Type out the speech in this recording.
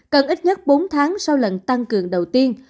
cần ít nhất bốn tháng sau lần tăng cường đầu tiên